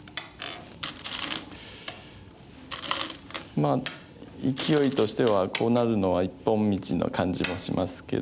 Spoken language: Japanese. まあいきおいとしてはこうなるのは一本道な感じもしますけど。